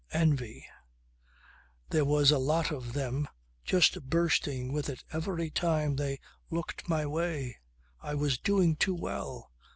Envy. There was a lot of them just bursting with it every time they looked my way. I was doing too well.